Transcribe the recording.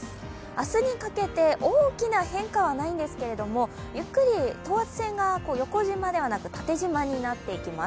明日にかけて大きな変化はないんですけれどもゆっくり等圧線が横じまではなく縦じまになっていきます。